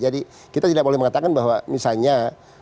jadi kita tidak boleh mengatakan bahwa misalnya